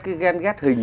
cái ghen ghét hình như